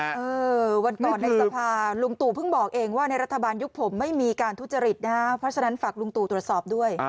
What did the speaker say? เออวันก่อนในสภาลุงตู่เพิ่งบอกเองว่าในรัฐบาลยุคผมไม่มีการทุจริตนะฮะเพราะฉะนั้นฝากลุงตู่ตรวจสอบด้วย